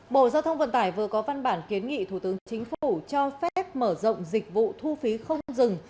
bộ giao thông vận tải vừa có văn bản kiến nghị thủ tướng chính phủ cho phép mở rộng dịch vụ thu phí không dừng